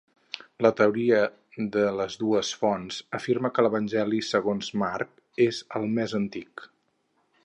La teoria de les dues fonts afirma que l'Evangeli segons Marc és el més antic.